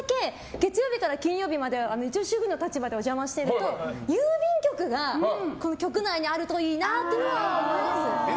月曜日から金曜日まで一応、主婦の立場でお邪魔してると郵便局が局内にあるといいなとは思いますね。